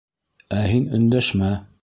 Ә һин өндәшмә!